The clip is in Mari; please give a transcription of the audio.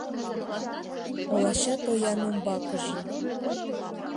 Олача тоян умбакыже